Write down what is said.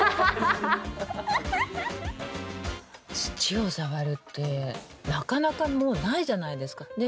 土を触るってなかなかもうないじゃないですか。